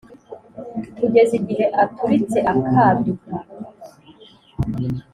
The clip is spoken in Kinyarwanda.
kugeza igihe aturitse akaduka. '